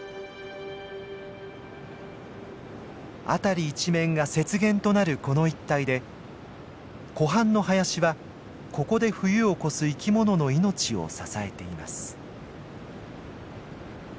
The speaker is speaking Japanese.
辺り一面が雪原となるこの一帯で湖畔の林はここで冬を越す生き物の命を支えています。